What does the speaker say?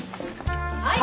はい！